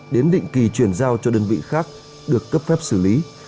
đến định kỳ chuyển giao cho đơn vị khác được cấp phép xử lý